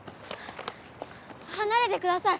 はなれてください。